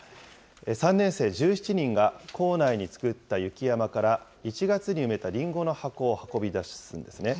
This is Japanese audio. ３年生１７人が、校内に作った雪山から１月に埋めたりんごの箱を運び出すんですね。